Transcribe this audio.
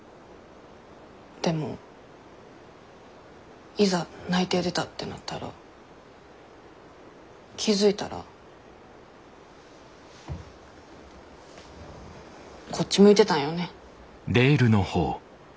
でもいざ内定出たってなったら気付いたらこっち向いてたんよね。